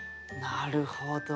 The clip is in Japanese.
なるほど。